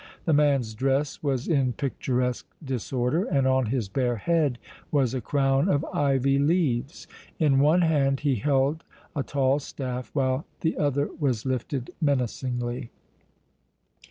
The man's dress was in picturesque disorder and on his bare head was a crown of ivy leaves. In one hand he held a tall staff, while the other was lifted menacingly.